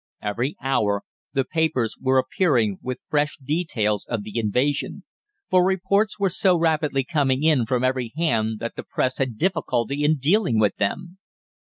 Every hour the papers were appearing with fresh details of the invasion, for reports were so rapidly coming in from every hand that the Press had difficulty in dealing with them.